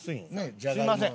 すみません。